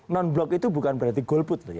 non blok itu bukan berarti golput